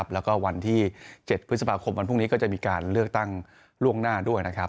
แล้วก็วันที่๗พฤษภาคมวันพรุ่งนี้ก็จะมีการเลือกตั้งล่วงหน้าด้วยนะครับ